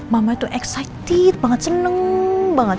mama itu excited banget seneng banget